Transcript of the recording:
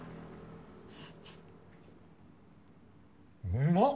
うまっ！